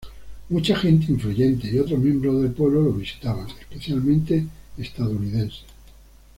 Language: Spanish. Mucha gente influyente y otros miembros del pueblo lo visitaban, especialmente estadounidenses.